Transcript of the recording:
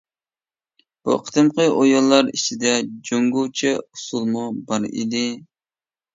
بۇ قېتىمقى ئويۇنلار ئىچىدە جۇڭگوچە ئۇسسۇلمۇ بار ئىدى.